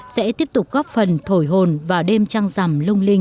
sẽ tiếp tục góp phần thổi hồn vào đêm trăng rằm lung linh